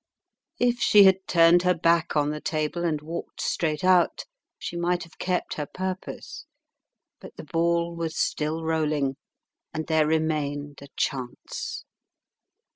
If she had turned her back on the table and walked straight out, she might have kept her purpose; but the ball was still rolling, and there remained a chance.